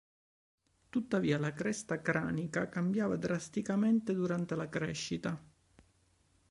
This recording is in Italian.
Tuttavia la cresta cranica cambiava drasticamente durante la crescita.